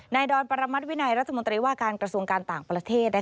ดอนปรมัติวินัยรัฐมนตรีว่าการกระทรวงการต่างประเทศ